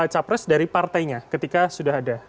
capres dari partainya ketika sudah ada